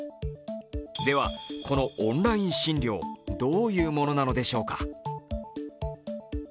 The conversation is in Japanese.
では、このオンライン診療、どういうものなのでしょうか。